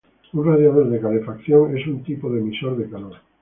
Un radiador de calefacción es un tipo de emisor de calor.